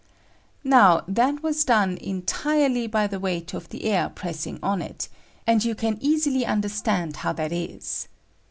Now that was done entirely by the weight of the air pressing on it, and you can easily understand how that is.